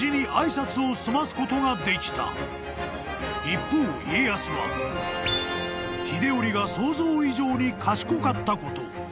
［一方家康は秀頼が想像以上に賢かったこと］